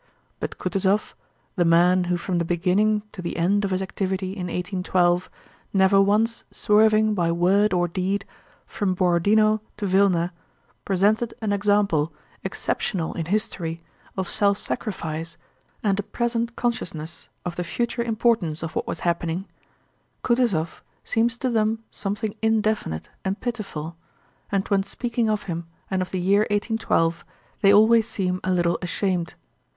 But Kutúzov—the man who from the beginning to the end of his activity in 1812, never once swerving by word or deed from Borodinó to Vílna, presented an example exceptional in history of self sacrifice and a present consciousness of the future importance of what was happening—Kutúzov seems to them something indefinite and pitiful, and when speaking of him and of the year 1812 they always seem a little ashamed.